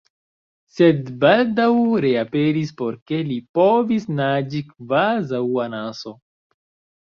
sed baldaŭ reaperis por ke, li povis naĝi kvazaŭ anaso.